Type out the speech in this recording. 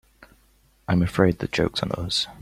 I'm afraid the joke's on us.